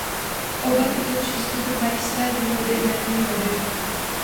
Oba tyto přístupy mají své výhody i nevýhody.